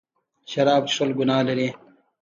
شراب څښل ګناه لري.